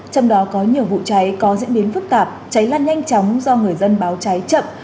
trong đó có nhiều vụ cháy có diễn biến phức tạp cháy lan nhanh chóng do người dân báo cháy chậm